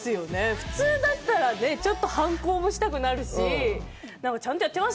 普通だったらちょっと反抗もしたくなるし、ちゃんとやってます